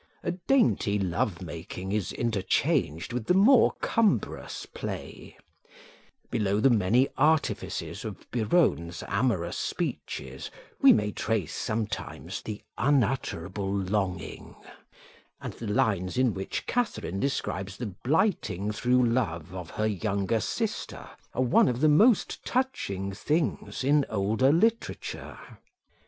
A dainty love making is interchanged with the more cumbrous play: below the many artifices of Biron's amorous speeches we may trace sometimes the "unutterable longing;" and the lines in which Katherine describes the blighting through love of her younger sister are one of the most touching things in older literature.